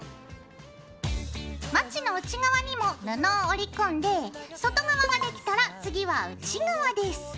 まちの内側にも布を折り込んで外側ができたら次は内側です。